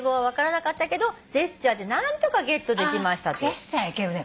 ジェスチャーでいけるね。